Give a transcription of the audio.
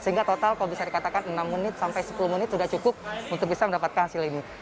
sehingga total kalau bisa dikatakan enam menit sampai sepuluh menit sudah cukup untuk bisa mendapatkan hasil ini